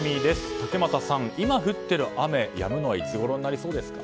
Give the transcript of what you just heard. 竹俣さん、今降っている雨やむのはいつごろになりますか。